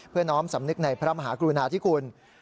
เพื่อน้องอำสำนึกในพระมหากรุณาที่คุณ